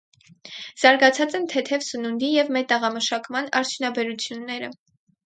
Զարգացած են թեթեւ սնունդի եւ մետաղամշակման արդիւնաբերութիւնները։